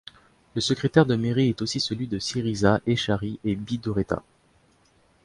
Le secrétaire de mairie est aussi celui de Ciriza, Echarri et Bidaurreta.